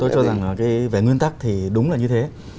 tôi cho rằng là cái về nguyên tắc thì đúng là như thế